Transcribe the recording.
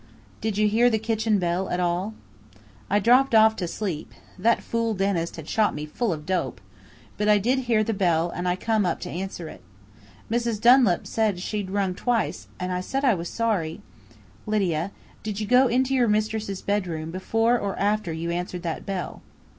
"Did you hear the kitchen bell at all?" Dundee went on. "I dropped off to sleep that fool dentist had shot me full of dope but I did hear the bell and I come up to answer it. Mrs. Dunlap said she'd rung twice, and I said I was sorry " "Lydia, did you go into your mistress' bedroom before or after you answered that bell?"